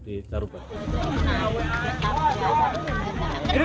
ketiga orang yang mengalami luka satu patah